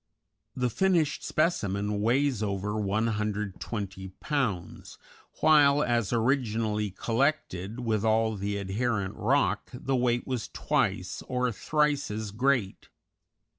The finished specimen weighs over 120 pounds, while as originally collected, with all the adherent rock, the weight was twice or thrice as great.